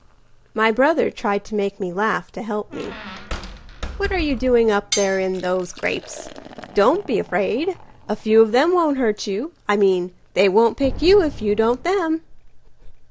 My brother tried to make me laugh to help me."What are you doing up there in those grapes? Don't be afraid. A few of them won't hurt you.I mean, they won't pick you if you don't them."